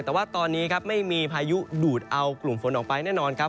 แต่ว่าตอนนี้ครับไม่มีพายุดูดเอากลุ่มฝนออกไปแน่นอนครับ